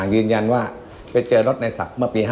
วิญญาณว่าไปเจอรถในศัพท์เมื่อปี๕๗